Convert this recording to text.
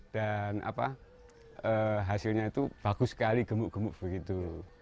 hasilnya itu bagus sekali gemuk gemuk begitu